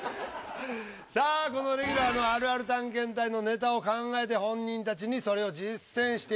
さあこのレギュラーのあるある探検隊のネタを考えて本人たちにそれを実践していただきます。